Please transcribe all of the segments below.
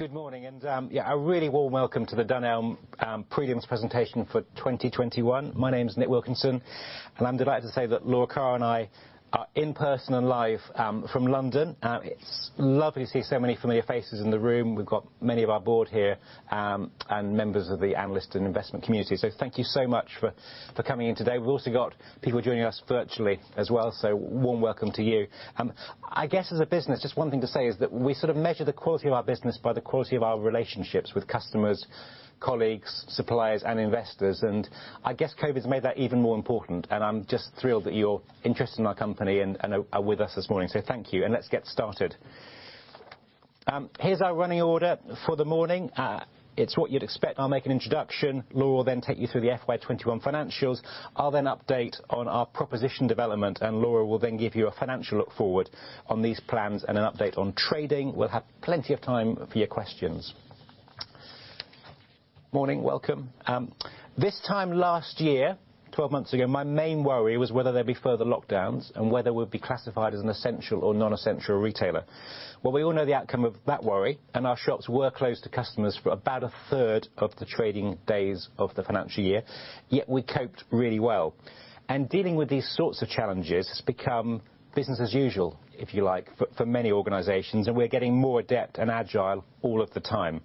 Good morning, a really warm welcome to the Dunelm prelims presentation for 2021. My name's Nick Wilkinson, I'm delighted to say that Laura Carr and I are in person and live from London. It's lovely to see so many familiar faces in the room. We've got many of our board here, members of the analyst and investment community. Thank you so much for coming in today. We've also got people joining us virtually as well, warm welcome to you. I guess, as a business, just one thing to say is that we sort of measure the quality of our business by the quality of our relationships with customers, colleagues, suppliers, and investors. I guess COVID's made that even more important, and I'm just thrilled that you're interested in our company and are with us this morning. Thank you, and let's get started. Here's our running order for the morning. It's what you'd expect. I'll make an introduction. Laura will then take you through the FY 2021 financials. I'll then update on our proposition development, and Laura will then give you a financial look forward on these plans and an update on trading. We'll have plenty of time for your questions. Morning, welcome. This time last year, 12 months ago, my main worry was whether there'd be further lockdowns and whether we'd be classified as an essential or non-essential retailer. Well, we all know the outcome of that worry, and our shops were closed to customers for about a third of the trading days of the financial year, yet we coped really well. Dealing with these sorts of challenges has become business as usual, if you like, for many organizations, and we're getting more adept and agile all of the time.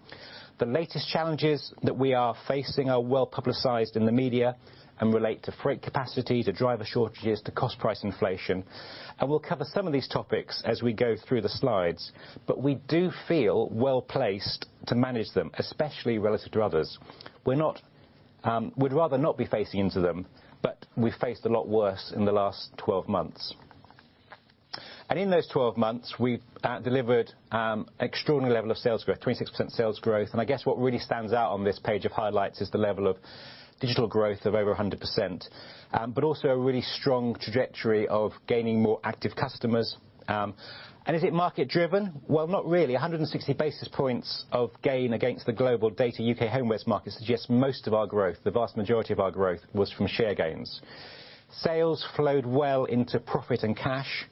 The latest challenges that we are facing are well-publicized in the media and relate to freight capacity, to driver shortages, to cost price inflation, and we'll cover some of these topics as we go through the slides. We do feel well-placed to manage them, especially relative to others. We'd rather not be facing into them, but we've faced a lot worse in the last 12 months. In those 12 months, we delivered extraordinary level of sales growth, 26% sales growth. I guess what really stands out on this page of highlights is the level of digital growth of over 100%, but also a really strong trajectory of gaining more active customers. Is it market driven? Well, not really. 160 basis points of gain against the GlobalData U.K. homewares market suggests most of our growth, the vast majority of our growth, was from share gains. Sales flowed well into profit and cash,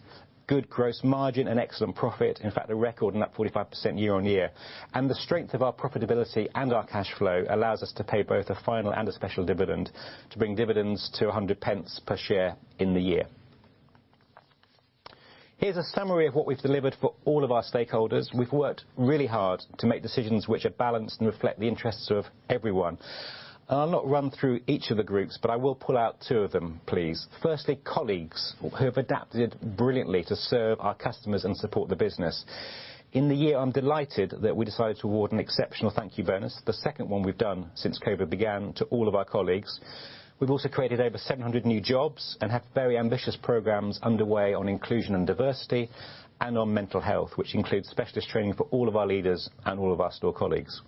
good gross margin and excellent profit. In fact, a record in that 45% year-on-year. The strength of our profitability and our cash flow allows us to pay both a final and a special dividend to bring dividends to 1.00 per share in the year. Here's a summary of what we've delivered for all of our stakeholders. We've worked really hard to make decisions which are balanced and reflect the interests of everyone. I'll not run through each of the groups, but I will pull out two of them, please. Firstly, colleagues who have adapted brilliantly to serve our customers and support the business. In the year, I'm delighted that we decided to award an exceptional thank you bonus, the second one we've done since COVID began, to all of our colleagues. We've also created over 700 new jobs and have very ambitious programs underway on inclusion and diversity and on mental health, which includes specialist training for all of our leaders and all of our store colleagues.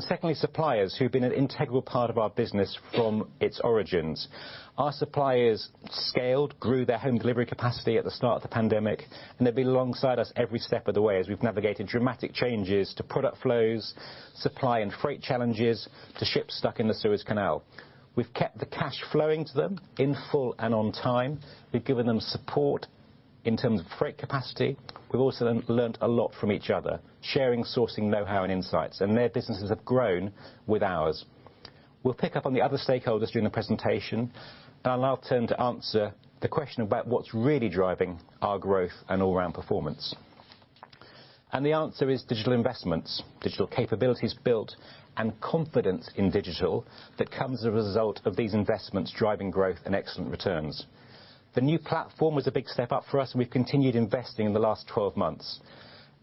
Secondly, suppliers who've been an integral part of our business from its origins. Our suppliers scaled, grew their home delivery capacity at the start of the pandemic, and they've been alongside us every step of the way as we've navigated dramatic changes to product flows, supply and freight challenges, to ships stuck in the Suez Canal. We've kept the cash flowing to them in full and on time. We've given them support in terms of freight capacity. We've also learned a lot from each other, sharing sourcing knowhow and insights, and their businesses have grown with ours. We'll pick up on the other stakeholders during the presentation. I'll now turn to answer the question about what's really driving our growth and all-round performance. The answer is digital investments, digital capabilities built, and confidence in digital that comes as a result of these investments driving growth and excellent returns. The new platform was a big step up for us. We've continued investing in the last 12 months.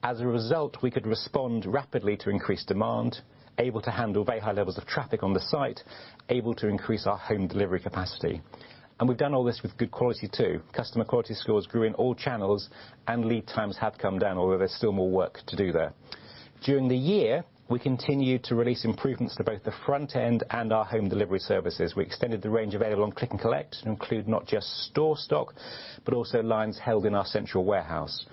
As a result, we could respond rapidly to increased demand, able to handle very high levels of traffic on the site, able to increase our home delivery capacity. We've done all this with good quality, too. Customer quality scores grew in all channels and lead times have come down, although there's still more work to do there. During the year, we continued to release improvements to both the front end and our home delivery services. We extended the range available on Click and Collect to include not just store stock, but also lines held in our central warehouse.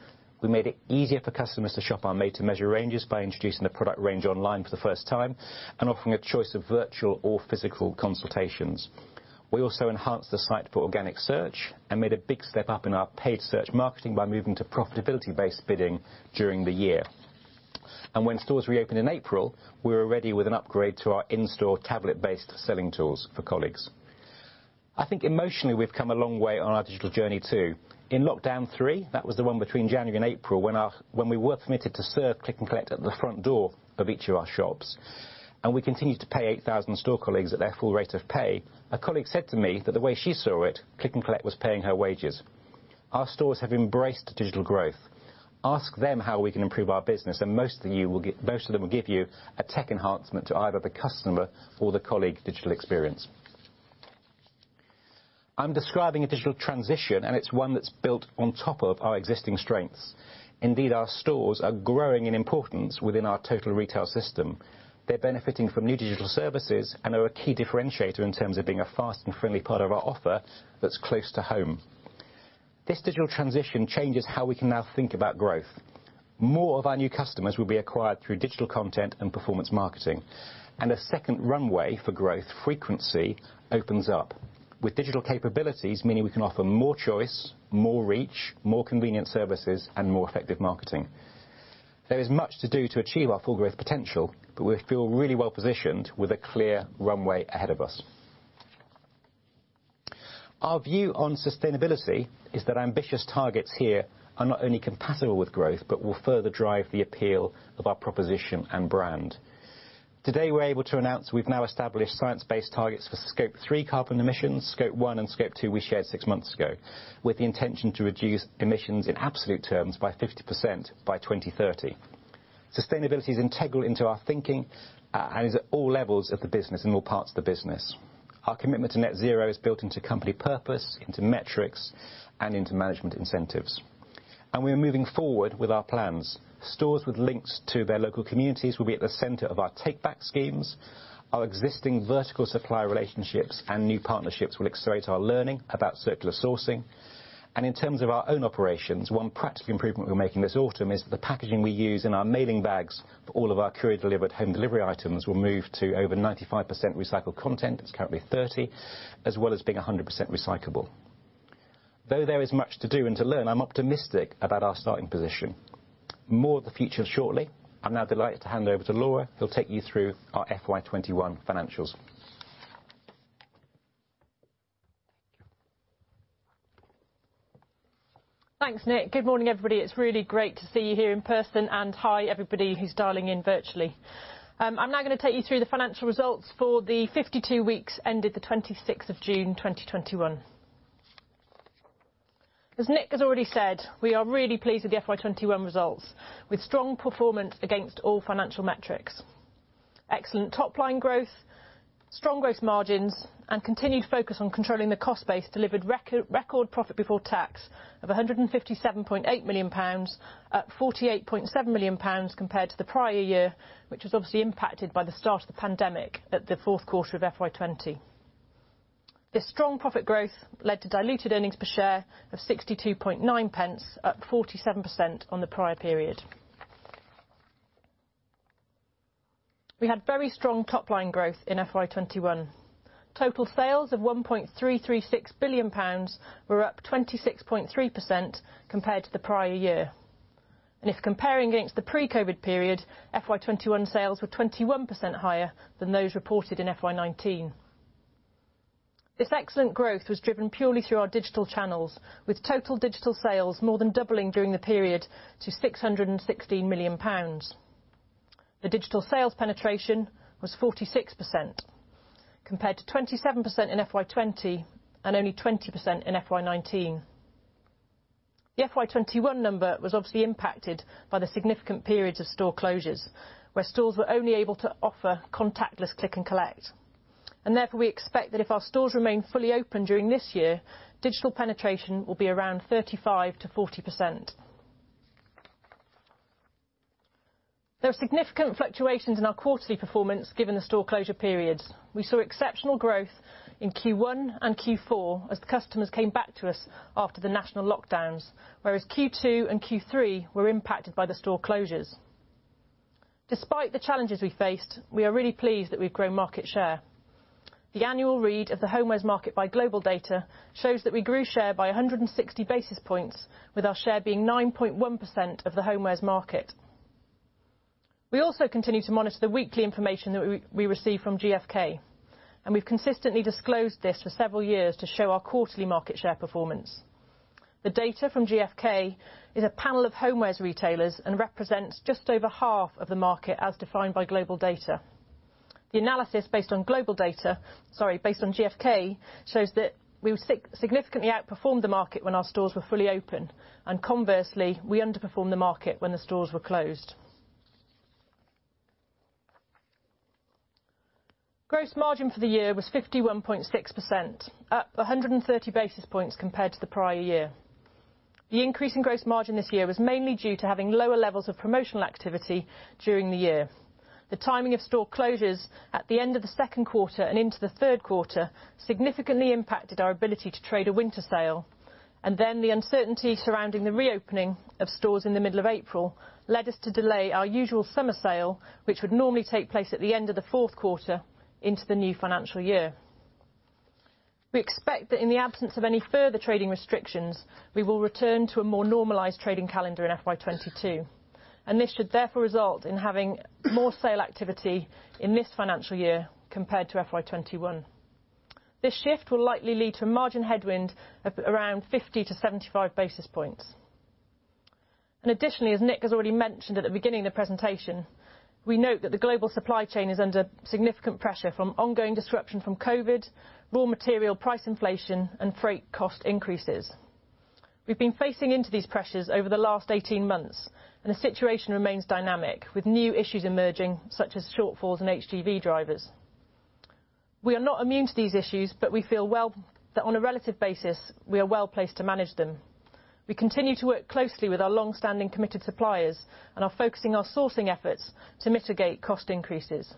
We made it easier for customers to shop our made-to-measure ranges by introducing the product range online for the first time and offering a choice of virtual or physical consultations. We also enhanced the site for organic search and made a big step up in our paid search marketing by moving to profitability-based bidding during the year. When stores reopened in April, we were ready with an upgrade to our in-store tablet-based selling tools for colleagues. I think emotionally, we've come a long way on our digital journey, too. In lockdown three, that was the one between January and April when we were permitted to serve Click and Collect at the front door of each of our shops. We continued to pay 8,000 store colleagues at their full rate of pay. A colleague said to me that the way she saw it, Click and Collect was paying her wages. Our stores have embraced digital growth. Ask them how we can improve our business. Most of them will give you a tech enhancement to either the customer or the colleague digital experience. I'm describing a digital transition. It's one that's built on top of our existing strengths. Indeed, our stores are growing in importance within our total retail system. They're benefiting from new digital services and are a key differentiator in terms of being a fast and friendly part of our offer that's close to home. This digital transition changes how we can now think about growth. More of our new customers will be acquired through digital content and performance marketing, and a second runway for growth frequency opens up with digital capabilities, meaning we can offer more choice, more reach, more convenient services, and more effective marketing. There is much to do to achieve our full growth potential, but we feel really well-positioned with a clear runway ahead of us. Our view on sustainability is that ambitious targets here are not only compatible with growth, but will further drive the appeal of our proposition and brand. Today, we're able to announce we've now established Science-Based Targets for Scope 3 carbon emissions. Scope 1 and Scope 2 we shared six months ago, with the intention to reduce emissions in absolute terms by 50% by 2030. Sustainability is integral into our thinking, and is at all levels of the business and all parts of the business. Our commitment to net zero is built into company purpose, into metrics, and into management incentives. We are moving forward with our plans. Stores with links to their local communities will be at the center of our take-back schemes. Our existing vertical supply relationships and new partnerships will accelerate our learning about circular sourcing. In terms of our own operations, one practical improvement we're making this autumn is the packaging we use in our mailing bags for all of our courier-delivered home delivery items will move to over 95% recycled content, it's currently 30%, as well as being 100% recyclable. Though there is much to do and to learn, I'm optimistic about our starting position. More of the future shortly. I'm now delighted to hand over to Laura, who'll take you through our FY 2021 financials. Thanks, Nick. Good morning, everybody. It's really great to see you here in person, and hi, everybody who's dialing in virtually. I'm now going to take you through the financial results for the 52 weeks ended the 26th of June, 2021. As Nick has already said, we are really pleased with the FY 2021 results, with strong performance against all financial metrics. Excellent top-line growth, strong gross margins, and continued focus on controlling the cost base delivered record profit before tax of 157.8 million pounds, up 48.7 million pounds compared to the prior year, which was obviously impacted by the start of the pandemic at the fourth quarter of FY 2020. This strong profit growth led to diluted earnings per share of 0.629, up 47% on the prior period. We had very strong top-line growth in FY 2021. Total sales of 1.336 billion pounds were up 26.3% compared to the prior year. If comparing against the pre-COVID period, FY 2021 sales were 21% higher than those reported in FY 2019. This excellent growth was driven purely through our digital channels, with total digital sales more than doubling during the period to 616 million pounds. The digital sales penetration was 46%, compared to 27% in FY 2020 and only 20% in FY 2019. The FY 2021 number was obviously impacted by the significant periods of store closures, where stores were only able to offer contactless Click and Collect. Therefore, we expect that if our stores remain fully open during this year, digital penetration will be around 35%-40%. There are significant fluctuations in our quarterly performance, given the store closure periods. We saw exceptional growth in Q1 and Q4 as the customers came back to us after the national lockdowns, whereas Q2 and Q3 were impacted by the store closures. Despite the challenges we faced, we are really pleased that we've grown market share. The annual read of the homewares market by GlobalData shows that we grew share by 160 basis points, with our share being 9.1% of the homewares market. We also continue to monitor the weekly information that we receive from GfK, and we've consistently disclosed this for several years to show our quarterly market share performance. The data from GfK is a panel of homewares retailers and represents just over half of the market as defined by GlobalData. The analysis based on GlobalData, based on GfK, shows that we significantly outperformed the market when our stores were fully open, and conversely, we underperformed the market when the stores were closed. Gross margin for the year was 51.6%, up 130 basis points compared to the prior year. The increase in gross margin this year was mainly due to having lower levels of promotional activity during the year. The timing of store closures at the end of the second quarter and into the third quarter significantly impacted our ability to trade a winter sale, then the uncertainty surrounding the reopening of stores in the middle of April led us to delay our usual summer sale, which would normally take place at the end of the fourth quarter into the new financial year. We expect that in the absence of any further trading restrictions, we will return to a more normalized trading calendar in FY 2022, this should therefore result in having more sale activity in this financial year compared to FY 2021. This shift will likely lead to a margin headwind of around 50 basis points-75 basis points. Additionally, as Nick has already mentioned at the beginning of the presentation, we note that the global supply chain is under significant pressure from ongoing disruption from COVID, raw material price inflation, and freight cost increases. We've been facing into these pressures over the last 18 months, and the situation remains dynamic, with new issues emerging, such as shortfalls in HGV drivers. We are not immune to these issues, we feel that on a relative basis, we are well-placed to manage them. We continue to work closely with our long-standing committed suppliers and are focusing our sourcing efforts to mitigate cost increases.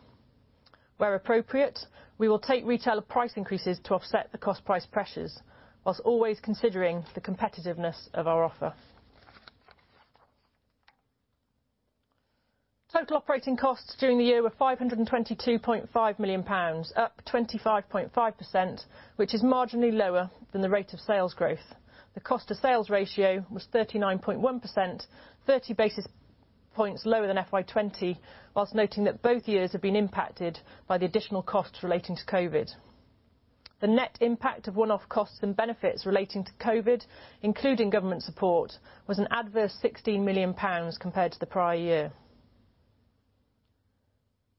Where appropriate, we will take retailer price increases to offset the cost price pressures whilst always considering the competitiveness of our offer. Total operating costs during the year were 522.5 million pounds, up 25.5%, which is marginally lower than the rate of sales growth. The cost of sales ratio was 39.1%, 30 basis points lower than FY 2020, whilst noting that both years have been impacted by the additional costs relating to COVID. The net impact of one-off costs and benefits relating to COVID, including government support, was an adverse 16 million pounds compared to the prior year.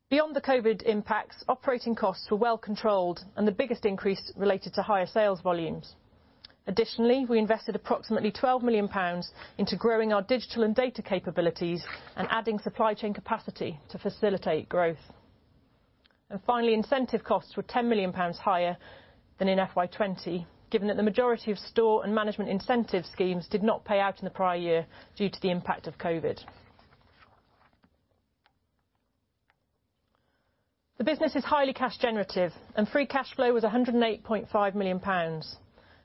Beyond the COVID impacts, operating costs were well controlled and the biggest increase related to higher sales volumes. Additionally, we invested approximately 12 million pounds into growing our digital and data capabilities and adding supply chain capacity to facilitate growth. Finally, incentive costs were 10 million pounds higher than in FY 2020, given that the majority of store and management incentive schemes did not pay out in the prior year due to the impact of COVID. The business is highly cash generative, and free cash flow was 108.5 million pounds.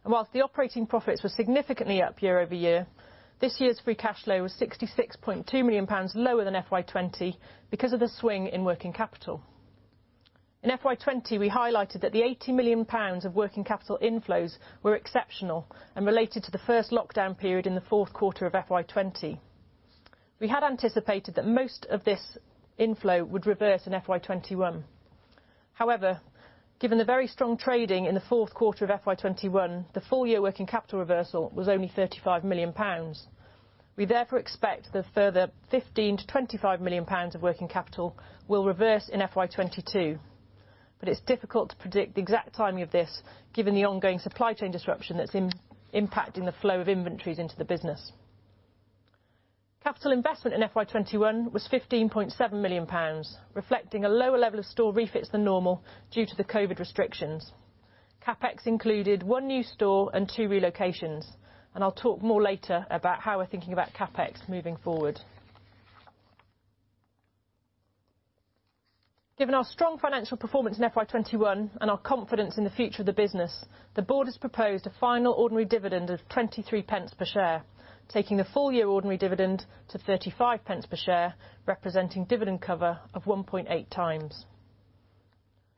Whilst the operating profits were significantly up year-over-year, this year's free cash flow was 66.2 million pounds lower than FY 2020 because of the swing in working capital. In FY 2020, we highlighted that the 80 million pounds of working capital inflows were exceptional and related to the first lockdown period in the fourth quarter of FY 2020. We had anticipated that most of this inflow would reverse in FY 2021. However, given the very strong trading in the fourth quarter of FY 2021, the full-year working capital reversal was only 35 million pounds. We therefore expect that a further 15 million-25 million pounds of working capital will reverse in FY 2022, but it's difficult to predict the exact timing of this given the ongoing supply chain disruption that's impacting the flow of inventories into the business. Capital investment in FY 2021 was 15.7 million pounds, reflecting a lower level of store refits than normal due to the COVID restrictions. CapEx included one new store and two relocations. I'll talk more later about how we're thinking about CapEx moving forward. Given our strong financial performance in FY 2021 and our confidence in the future of the business, the board has proposed a final ordinary dividend of 0.23 per share, taking the full-year ordinary dividend to 0.35 per share, representing dividend cover of 1.8x.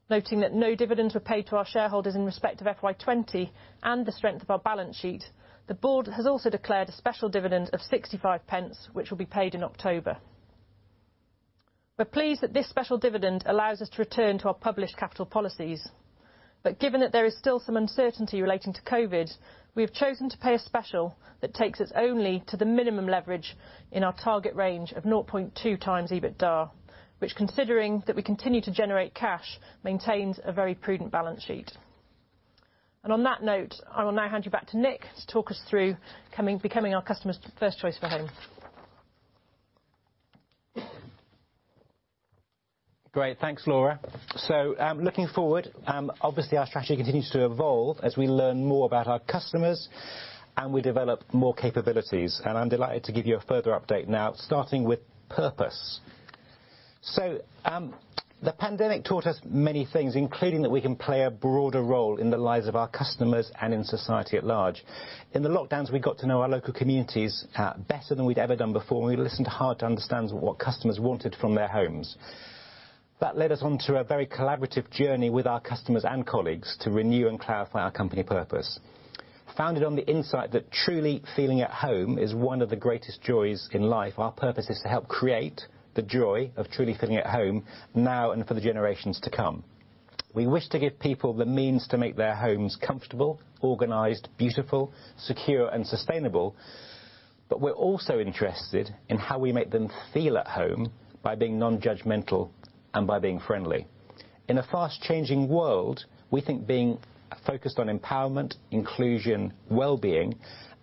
Noting that no dividends were paid to our shareholders in respect of FY 2020 and the strength of our balance sheet, the board has also declared a special dividend of 0.65, which will be paid in October. We're pleased that this special dividend allows us to return to our published capital policies. Given that there is still some uncertainty relating to COVID, we have chosen to pay a special that takes us only to the minimum leverage in our target range of 0.2x EBITDA, which considering that we continue to generate cash, maintains a very prudent balance sheet. On that note, I will now hand you back to Nick to talk us through becoming our customers' first choice for home. Great. Thanks, Laura. Looking forward, obviously, our strategy continues to evolve as we learn more about our customers and we develop more capabilities. I'm delighted to give you a further update now, starting with purpose. The pandemic taught us many things, including that we can play a broader role in the lives of our customers and in society at large. In the lockdowns, we got to know our local communities better than we'd ever done before, and we listened hard to understand what customers wanted from their homes. That led us onto a very collaborative journey with our customers and colleagues to renew and clarify our company purpose. Founded on the insight that truly feeling at home is one of the greatest joys in life, our purpose is to help create the joy of truly feeling at home now and for the generations to come. We wish to give people the means to make their homes comfortable, organized, beautiful, secure, and sustainable, but we're also interested in how we make them feel at home by being non-judgmental and by being friendly. In a fast-changing world, we think being focused on empowerment, inclusion, well-being,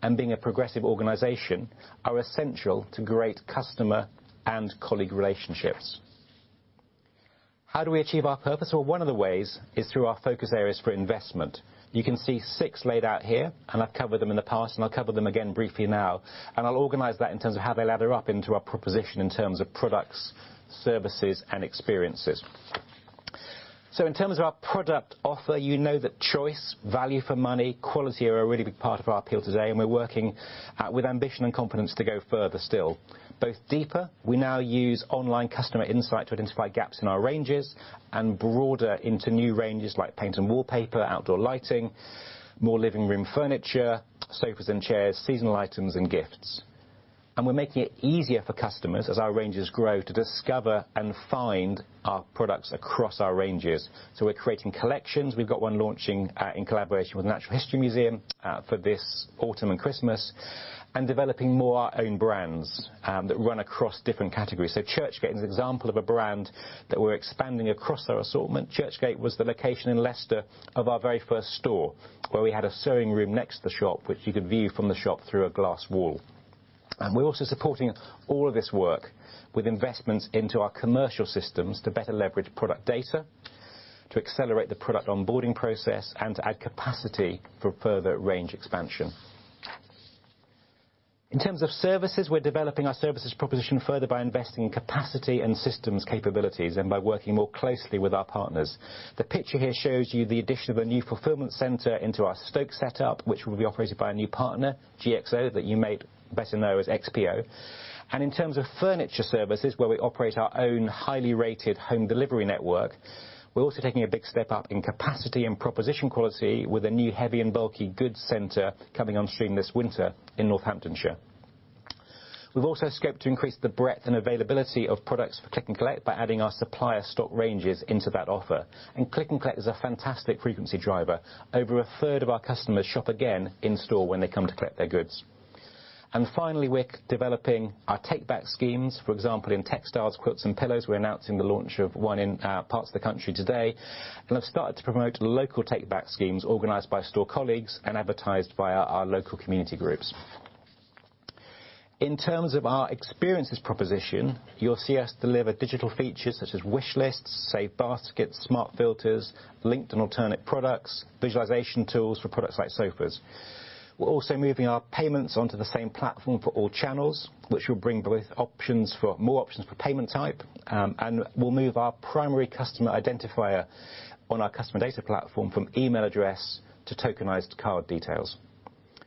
and being a progressive organization are essential to great customer and colleague relationships. How do we achieve our purpose? Well, one of the ways is through our focus areas for investment. You can see six laid out here, and I've covered them in the past, and I'll cover them again briefly now. I'll organize that in terms of how they ladder up into our proposition in terms of products, services, and experiences. In terms of our product offer, you know that choice, value for money, quality are a really big part of our appeal today, and we're working with ambition and confidence to go further still. Both deeper, we now use online customer insight to identify gaps in our ranges, and broader into new ranges like paint and wallpaper, outdoor lighting, more living room furniture, sofas and chairs, seasonal items, and gifts. We're making it easier for customers as our ranges grow to discover and find our products across our ranges. We're creating collections. We've got one launching in collaboration with Natural History Museum for this autumn and Christmas, and developing more of our own brands that run across different categories. Churchgate is an example of a brand that we're expanding across our assortment. Churchgate was the location in Leicester of our very first store, where we had a sewing room next to the shop, which you could view from the shop through a glass wall. We're also supporting all of this work with investments into our commercial systems to better leverage product data, to accelerate the product onboarding process, and to add capacity for further range expansion. In terms of services, we're developing our services proposition further by investing in capacity and systems capabilities and by working more closely with our partners. The picture here shows you the addition of a new fulfillment center into our Stoke setup, which will be operated by a new partner, GXO, that you might better know as XPO. In terms of furniture services, where we operate our own highly rated home delivery network, we're also taking a big step up in capacity and proposition quality with a new heavy and bulky goods center coming on stream this winter in Northamptonshire. We've also scoped to increase the breadth and availability of products for Click and Collect by adding our supplier stock ranges into that offer. Click and Collect is a fantastic frequency driver. Over a third of our customers shop again in store when they come to collect their goods. Finally, we're developing our take-back schemes. For example, in textiles, quilts, and pillows, we're announcing the launch of one in parts of the country today, and have started to promote local take-back schemes organized by store colleagues and advertised via our local community groups. In terms of our experiences proposition, you'll see us deliver digital features such as wish lists, save baskets, smart filters, linked and alternate products, visualization tools for products like sofas. We're also moving our payments onto the same platform for all channels, which will bring more options for payment type, and we'll move our primary customer identifier on our customer data platform from email address to tokenized card details.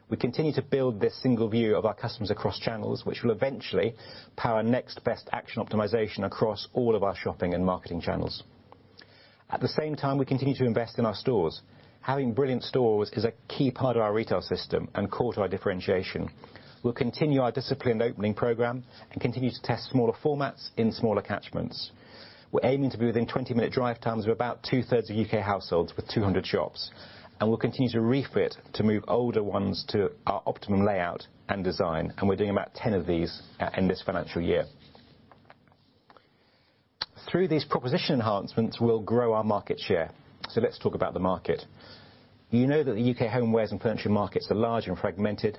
We continue to build this single view of our customers across channels, which will eventually power next best action optimization across all of our shopping and marketing channels. At the same time, we continue to invest in our stores. Having brilliant stores is a key part of our retail system and core to our differentiation. We'll continue our disciplined opening program and continue to test smaller formats in smaller catchments. We're aiming to be within 20-minute drive times of about 2/3 of U.K. households with 200 shops, and we'll continue to refit to move older ones to our optimum layout and design. We're doing about 10 of these in this financial year. Through these proposition enhancements, we'll grow our market share. Let's talk about the market. You know that the U.K. homewares and furniture markets are large and fragmented.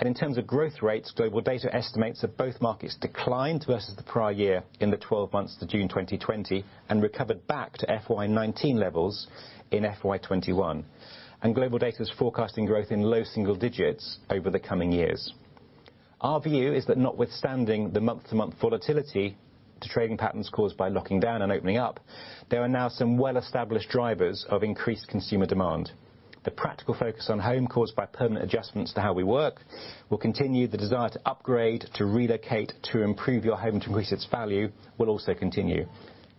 In terms of growth rates, GlobalData estimates that both markets declined versus the prior year in the 12 months to June 2020 and recovered back to FY 2019 levels in FY 2021. GlobalData is forecasting growth in low single digits over the coming years. Our view is that notwithstanding the month-to-month volatility to trading patterns caused by locking down and opening up, there are now some well-established drivers of increased consumer demand. The practical focus on home caused by permanent adjustments to how we work will continue the desire to upgrade, to relocate, to improve your home, to increase its value, will also continue.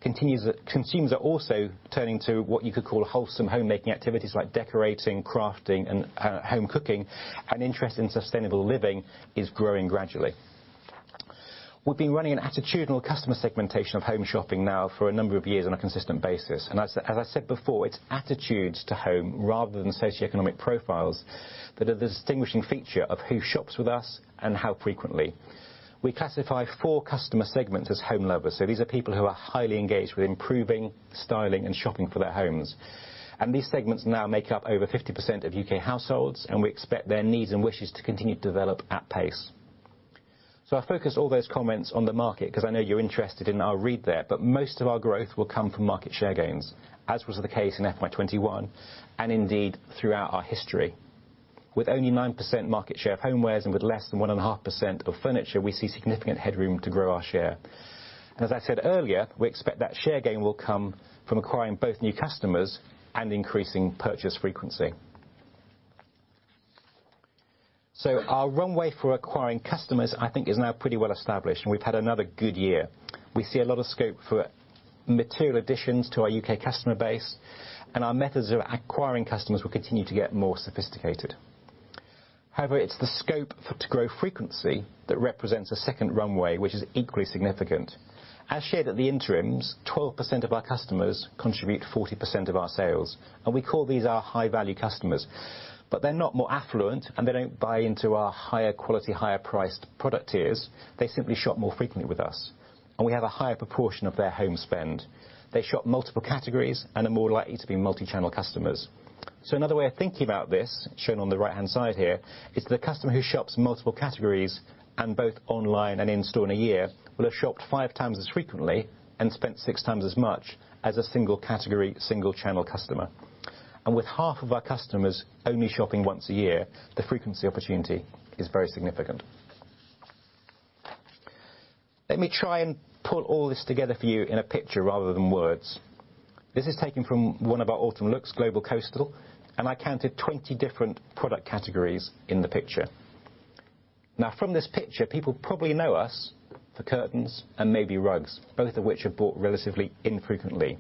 Consumers are also turning to what you could call wholesome homemaking activities like decorating, crafting, and home cooking, and interest in sustainable living is growing gradually. We've been running an attitudinal customer segmentation of home shopping now for a number of years on a consistent basis. As I said before, it's attitudes to home rather than socioeconomic profiles that are the distinguishing feature of who shops with us and how frequently. We classify four customer segments as home lovers. These are people who are highly engaged with improving, styling, and shopping for their homes. These segments now make up over 50% of U.K. households, and we expect their needs and wishes to continue to develop at pace. I focused all those comments on the market because I know you're interested in our read there, but most of our growth will come from market share gains, as was the case in FY 2021, and indeed throughout our history. With only 9% market share of homewares and with less than 1.5% of furniture, we see significant headroom to grow our share. As I said earlier, we expect that share gain will come from acquiring both new customers and increasing purchase frequency. Our runway for acquiring customers I think is now pretty well established and we've had another good year. We see a lot of scope for material additions to our U.K. customer base, and our methods of acquiring customers will continue to get more sophisticated. However, it's the scope to grow frequency that represents a second runway, which is equally significant. As shared at the interims, 12% of our customers contribute 40% of our sales, and we call these our high value customers, but they're not more affluent and they don't buy into our higher quality, higher priced product tiers. They simply shop more frequently with us, and we have a higher proportion of their home spend. They shop multiple categories and are more likely to be multi-channel customers. Another way of thinking about this, shown on the right-hand side here, is the customer who shops multiple categories and both online and in-store in a year will have shopped five times as frequently and spent six times as much as a single category, single channel customer. With half of our customers only shopping once a year, the frequency opportunity is very significant. Let me try and pull all this together for you in a picture rather than words. This is taken from one of our autumn looks, Global Coastal, and I counted 20 different product categories in the picture. From this picture, people probably know us for curtains and maybe rugs, both of which are bought relatively infrequently.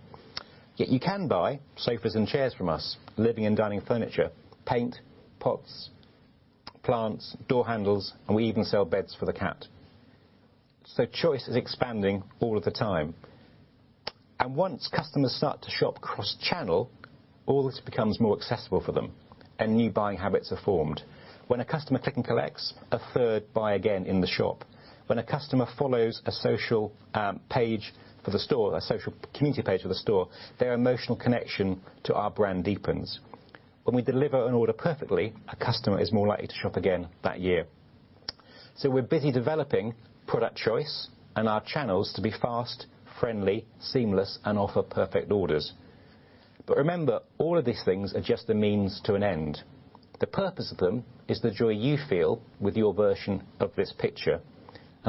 You can buy sofas and chairs from us, living and dining furniture, paint, pots, plants, door handles, and we even sell beds for the cat. Choice is expanding all of the time. Once customers start to shop cross-channel, all this becomes more accessible for them and new buying habits are formed. When a customer Click and Collects, a third buy again in the shop. When a customer follows a social page for the store, a social community page for the store, their emotional connection to our brand deepens. When we deliver an order perfectly, a customer is more likely to shop again that year. We're busy developing product choice and our channels to be fast, friendly, seamless, and offer perfect orders. But remember, all of these things are just a means to an end. The purpose of them is the joy you feel with your version of this picture.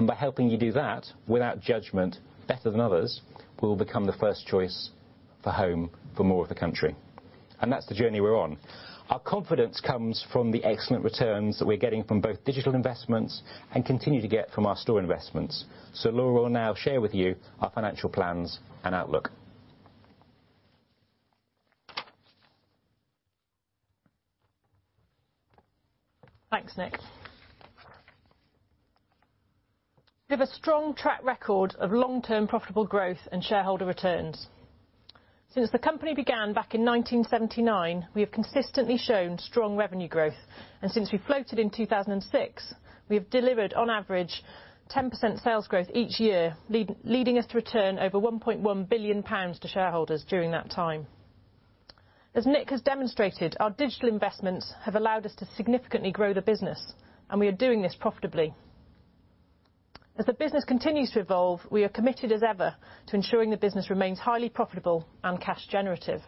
By helping you do that without judgment better than others, we'll become the first choice for home for more of the country. That's the journey we're on. Our confidence comes from the excellent returns that we're getting from both digital investments and continue to get from our store investments. Laura will now share with you our financial plans and outlook. Thanks, Nick. We have a strong track record of long-term profitable growth and shareholder returns. Since the company began back in 1979, we have consistently shown strong revenue growth. Since we floated in 2006, we have delivered on average 10% sales growth each year, leading us to return over 1.1 billion pounds to shareholders during that time. As Nick has demonstrated, our digital investments have allowed us to significantly grow the business, and we are doing this profitably. As the business continues to evolve, we are committed as ever to ensuring the business remains highly profitable and cash generative.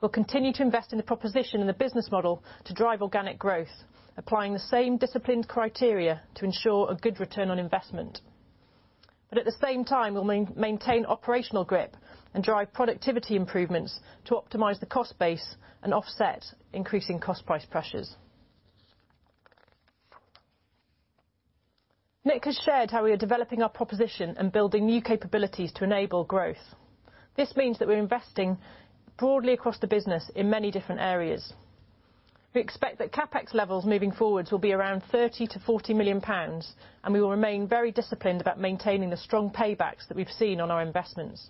We'll continue to invest in the proposition and the business model to drive organic growth, applying the same disciplined criteria to ensure a good return on investment. At the same time, we'll maintain operational grip and drive productivity improvements to optimize the cost base and offset increasing cost price pressures. Nick has shared how we are developing our proposition and building new capabilities to enable growth. This means that we're investing broadly across the business in many different areas. We expect that CapEx levels moving forwards will be around 30 million-40 million pounds, and we will remain very disciplined about maintaining the strong paybacks that we've seen on our investments.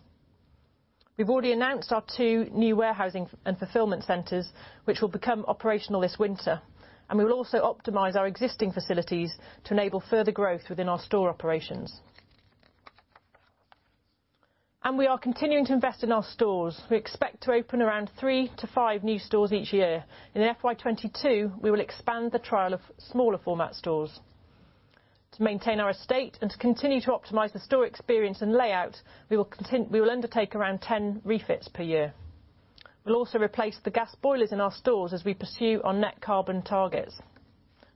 We've already announced our two new warehousing and fulfillment centers, which will become operational this winter. We will also optimize our existing facilities to enable further growth within our store operations. We are continuing to invest in our stores. We expect to open around three to five new stores each year. In FY 2022, we will expand the trial of smaller format stores. To maintain our estate and to continue to optimize the store experience and layout, we will undertake around 10 refits per year. We'll also replace the gas boilers in our stores as we pursue our net carbon targets.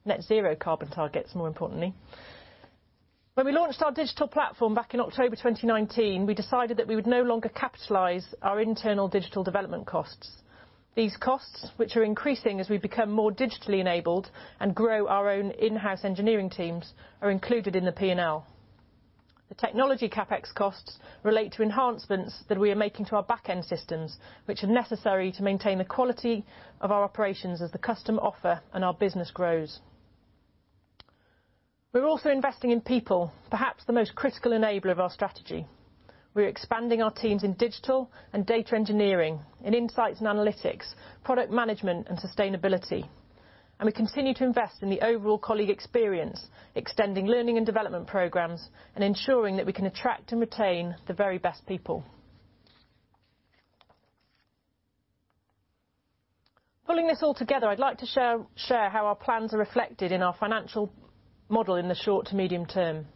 Net zero carbon targets, more importantly. When we launched our digital platform back in October 2019, we decided that we would no longer capitalize our internal digital development costs. These costs, which are increasing as we become more digitally enabled and grow our own in-house engineering teams, are included in the P&L. The technology CapEx costs relate to enhancements that we are making to our back-end systems, which are necessary to maintain the quality of our operations as the customer offer and our business grows. We're also investing in people, perhaps the most critical enabler of our strategy. We're expanding our teams in digital and data engineering, in insights and analytics, product management and sustainability. We continue to invest in the overall colleague experience, extending learning and development programs and ensuring that we can attract and retain the very best people. Pulling this all together, I'd like to share how our plans are reflected in our financial model in the short to medium term.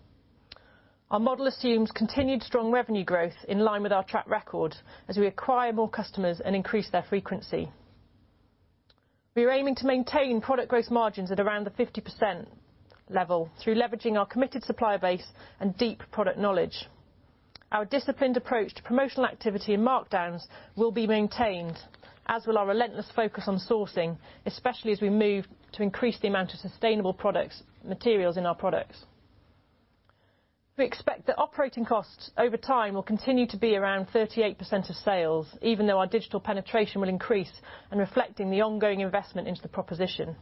Our model assumes continued strong revenue growth in line with our track record as we acquire more customers and increase their frequency. We are aiming to maintain product gross margins at around the 50% level through leveraging our committed supplier base and deep product knowledge. Our disciplined approach to promotional activity and markdowns will be maintained, as will our relentless focus on sourcing, especially as we move to increase the amount of sustainable materials in our products. We expect that operating costs over time will continue to be around 38% of sales, even though our digital penetration will increase and reflecting the ongoing investment into the proposition.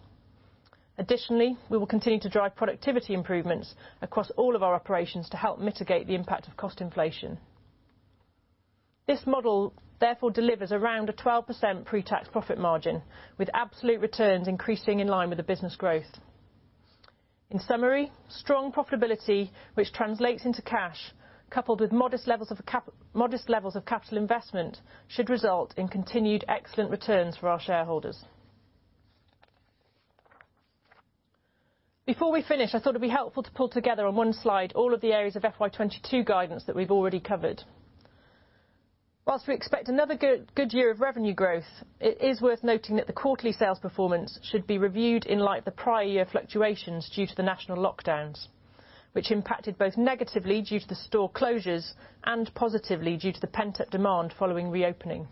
Additionally, we will continue to drive productivity improvements across all of our operations to help mitigate the impact of cost inflation. This model therefore delivers around a 12% pre-tax profit margin, with absolute returns increasing in line with the business growth. In summary, strong profitability, which translates into cash, coupled with modest levels of capital investment, should result in continued excellent returns for our shareholders. Before we finish, I thought it'd be helpful to pull together on one slide all of the areas of FY 2022 guidance that we've already covered. Whilst we expect another good year of revenue growth, it is worth noting that the quarterly sales performance should be reviewed in light of the prior year fluctuations due to the national lockdowns, which impacted both negatively due to the store closures and positively due to the pent-up demand following reopening.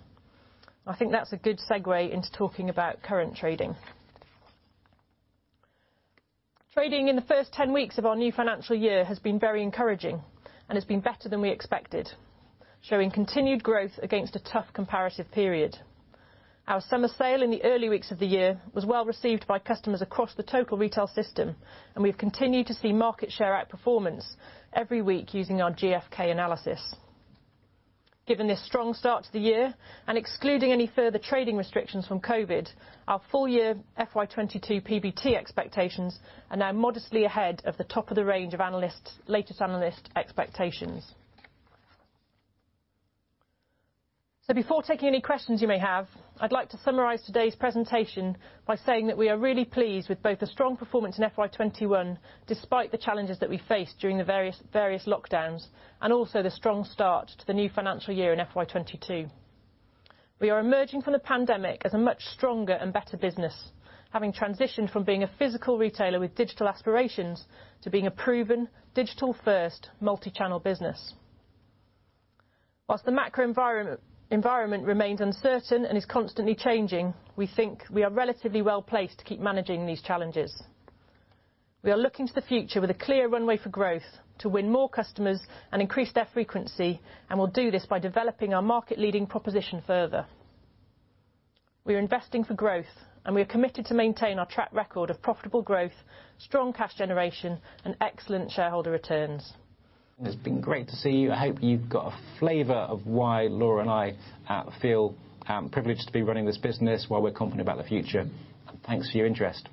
I think that's a good segue into talking about current trading. Trading in the first 10 weeks of our new financial year has been very encouraging and has been better than we expected, showing continued growth against a tough comparative period. Our summer sale in the early weeks of the year was well received by customers across the total retail system, and we've continued to see market share out performance every week using our GfK analysis. Given this strong start to the year, excluding any further trading restrictions from COVID, our full year FY 2022 PBT expectations are now modestly ahead of the top of the range of latest analyst expectations. Before taking any questions you may have, I'd like to summarize today's presentation by saying that we are really pleased with both the strong performance in FY 2021, despite the challenges that we faced during the various lockdowns, and also the strong start to the new financial year in FY 2022. We are emerging from the pandemic as a much stronger and better business, having transitioned from being a physical retailer with digital aspirations to being a proven digital-first multi-channel business. Whilst the macro environment remains uncertain and is constantly changing, we think we are relatively well-placed to keep managing these challenges. We are looking to the future with a clear runway for growth to win more customers and increase their frequency, and we'll do this by developing our market-leading proposition further. We are investing for growth, and we are committed to maintain our track record of profitable growth, strong cash generation, and excellent shareholder returns. It's been great to see you. I hope you've got a flavor of why Laura and I feel privileged to be running this business, why we're confident about the future. Thanks for your interest.